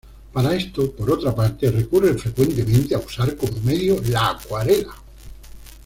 Para esto, por otra parte, recurre frecuentemente a usar como medio la acuarela.